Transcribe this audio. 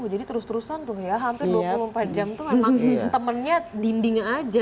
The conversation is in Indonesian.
jadi terus terusan tuh ya hampir dua puluh empat jam tuh memang temennya dindingnya aja